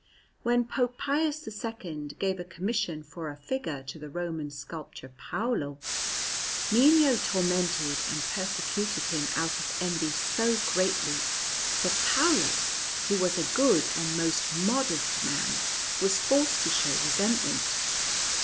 When Pope Pius II gave a commission for a figure to the Roman sculptor Paolo, Mino tormented and persecuted him out of envy so greatly, that Paolo, who was a good and most modest man, was forced to show resentment.